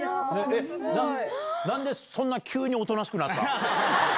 なんでそんなに急におとなしくなった？